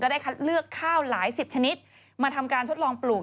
ได้คัดเลือกข้าวหลายสิบชนิดมาทำการทดลองปลูก